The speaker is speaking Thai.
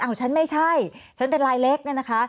อ่ะคุณจะไม่ใช่เป็นลายเล็ก